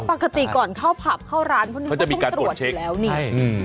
ปกติก่อนเข้าพับเข้าร้านเขาต้องตรวจอยู่แล้วนี่